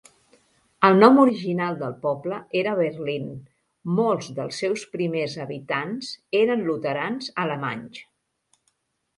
El nom original del poble era Berlin; molts dels seus primers habitants eren luterans alemanys.